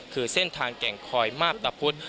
คือเส้นทางแก่งคอยมาบตะพุธ